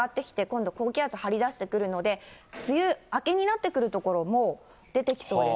前線上がってきて高気圧張りだしてくるので、梅雨明けになってくる所も出てきそうです。